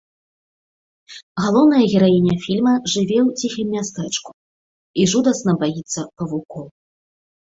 Галоўная гераіня фільма жыве ў ціхім мястэчку і жудасна баіцца павукоў.